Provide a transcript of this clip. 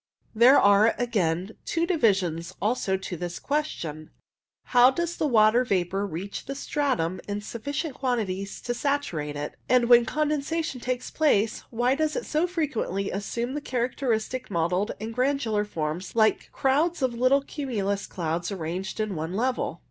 There are, again, two divisions also to this question. How does the water vapour reach the stratum in sufificient quantity to saturate it ? and when condensa tion takes place, why does it so frequently assume the characteristic mottled and granular forms like crowds of little cumulus clouds arranged in one level